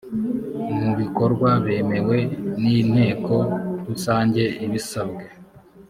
mu bikorwa bemewe n inteko rusange ibisabwe